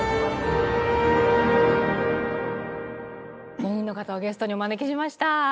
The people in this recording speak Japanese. ４人の方をゲストにお招きしました。